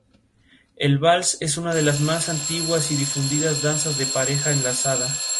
La Legislatura del Estado en su decreto No.